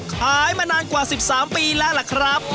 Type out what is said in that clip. ขายมานานกว่า๑๓ปีแล้วล่ะครับ